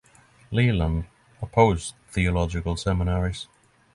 Leland opposed theological seminaries.